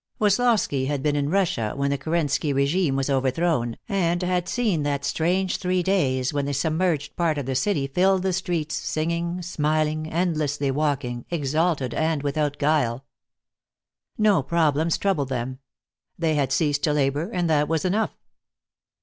Woslosky had been in Russia when the Kerensky regime was overthrown, and had seen that strange three days when the submerged part of the city filled the streets, singing, smiling, endlessly walking, exalted and without guile. No problems troubled them. They had ceased to labor, and that was enough.